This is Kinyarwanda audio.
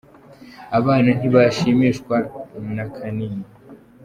Abana ntibashimishwa na kanini.